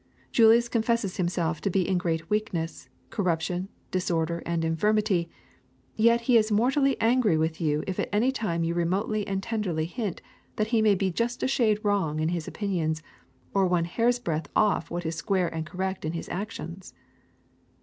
Julius confesses himself to be in great weakness, corruption, disorder, and infirmity, and yet he is mortally angry with you if at any time you remotely and tenderly hint that he may be just a shade wrong in his opinions, or one hair's breadth off what is square and correct in his actions.